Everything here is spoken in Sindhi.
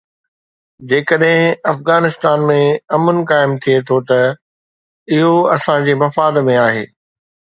جيڪڏهن افغانستان ۾ امن قائم ٿئي ٿو ته اهو اسان جي مفاد ۾ آهي.